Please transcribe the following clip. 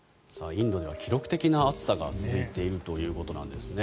インドでは記録的な暑さが続いているということですね。